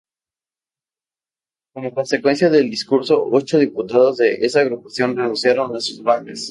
Como consecuencia del discurso ocho diputados de esa agrupación renunciaron a sus bancas.